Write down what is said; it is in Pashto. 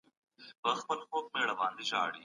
که تاسو سياست نه کوئ سياست به پر تاسو کيږي.